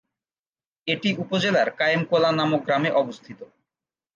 এটি উপজেলার কায়েম কোলা নামক গ্রামে অবস্থিত।